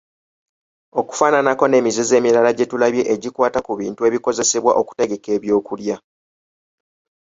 Okufananako n’emizizo emirala gye tulabye egikwata ku bintu ebikozesebwa okutegeka ebyokulya.